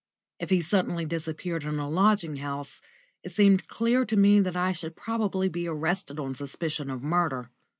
If he suddenly disappeared in a lodging house, it seemed clear to me that I should probably be arrested on suspicion of murder.